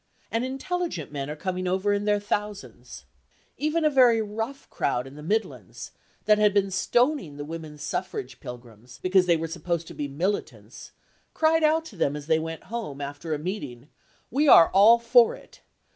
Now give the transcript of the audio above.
And intelligent men are coming over in their thousands. Even a very rough crowd in the Midlands, that had been stoning the women's suffrage pilgrims, because they were supposed to be militants, cried out to them as they went home, after a meeting, "We are all for it!"